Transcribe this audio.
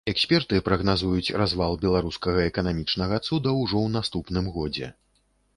Эксперты прагназуюць развал беларускага эканамічнага цуда ўжо ў наступным годзе.